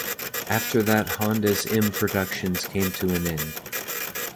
After that Honda's M productions came to an end.